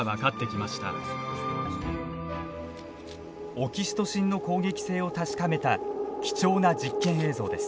オキシトシンの攻撃性を確かめた貴重な実験映像です。